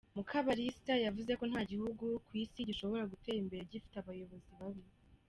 Mukabalisa yavuze ko nta gihugu ku isi gishobora gutera imbere gifite abayobozi babi.